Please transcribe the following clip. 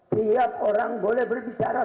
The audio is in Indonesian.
tiap orang boleh berbicara